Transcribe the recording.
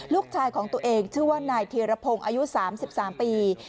ลูกชายของตัวเองชื่อว่านายธีรพงศ์อายุ๓๓ปี